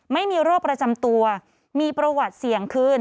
ไม่มีโรคประจำตัวมีประวัติเสี่ยงขึ้น